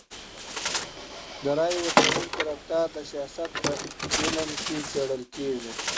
د رایي ورکوونکو رفتار د سیاست په علم کي څېړل کیږي.